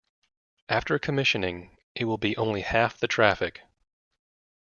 After commissioning, it will be only half the traffic.